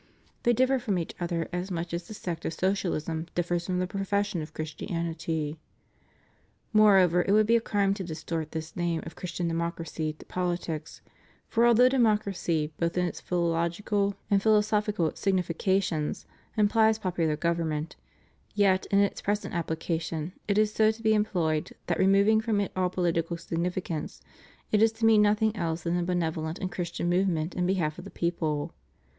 They differ from each other as much as the sect of Socialism differs from the profession of Christianity. Moreover it would be a crime to distort this name of Christian Democracy to politics, for although democracy, both in its philological and philosophical significations, implies popular government, yet in its present application it is so to be employed that, removing from it all political significance, it is to mean nothing else than a benevolent and Christian movement in behalf of the people.